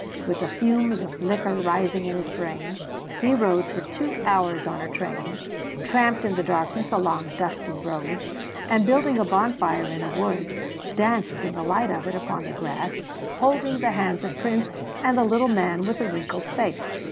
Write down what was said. With the fumes of liquor rising in his brain, he rode for two hours on a train, tramped in the darkness along dusty roads and, building a bonfire in a woods, danced in the light of it upon the grass, holding the hands of Prince and the little man with the wrinkled face.